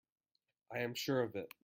I am sure of it.